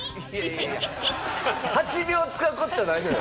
８秒も使うことじゃないのよ。